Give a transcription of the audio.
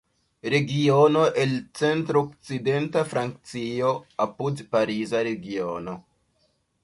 Regiono el centr-okcidenta Francio apud Pariza Regiono.